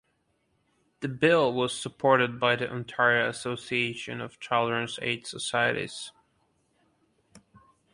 The bill was supported by the Ontario Association of Children's Aid Societies.